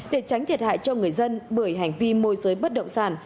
để tránh thiệt hại cho người dân bởi hành vi môi giới bất động sản